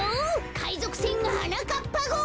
かいぞくせんはなかっぱごう！